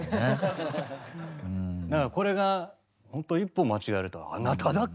だからこれがほんと一歩間違えると「あなただけ」。